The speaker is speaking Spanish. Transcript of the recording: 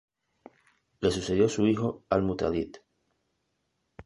Le sucedió su hijo Al-Mutádid.